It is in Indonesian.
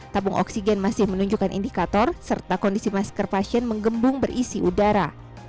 tabung oksigen masih menunjukkan indikator serta kondisi masker pasien menggembung berisi udara